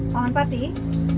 mohon pak tih